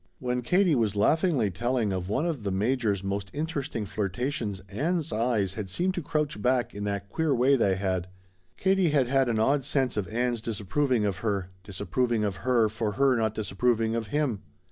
When Katie was laughingly telling of one of the Major's most interesting flirtations Ann's eyes had seemed to crouch back in that queer way they had. Katie had had an odd sense of Ann's disapproving of her disapproving of her for her not disapproving of him.